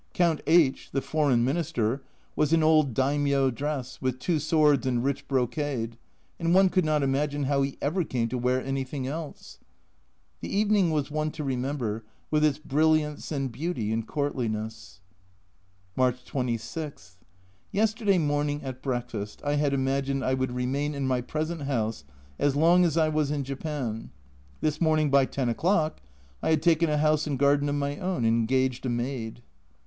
Count H (the foreign minister) was in old daimio dress, with two swords and rich brocade and one could not imagine how he ever came to wear anything else ! The evening was one to remember, with its brilliance and beauty and courtliness. March 26. Yesterday morning at breakfast I had imagined I would remain in my present house as long as I was in Japan. This morning by ten o'clock I had taken a house and garden of my own and engaged a maid